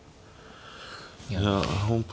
いや本譜